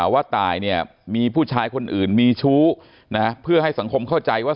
ว่าตายเนี่ยมีผู้ชายคนอื่นมีชู้เพื่อให้สังคมเข้าใจว่า